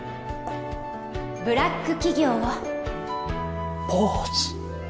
ブラック企業をポーズ！